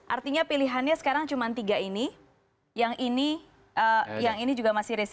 artinya pilihannya sekarang cuma tiga ini yang ini yang ini juga masih risiko